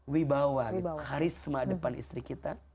wibawa harisma depan istri kita